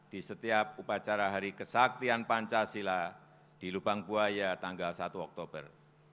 di setiap upacara hari kesaktian pancasila di lubang buaya tanggal satu oktober